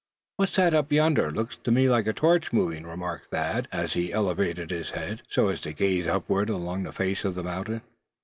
"What's that up yonder; looks to me like a torch moving?" remarked Thad, as he elevated his head, so as to gaze upward, along the face of the mountain.